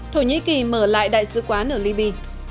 thổ nhĩ kỳ mở lại đại sứ quán ở liby